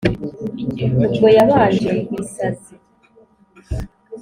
ubwo yabanje ibisazi,